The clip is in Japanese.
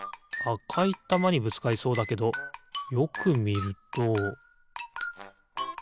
あかいたまにぶつかりそうだけどよくみるとずれてる？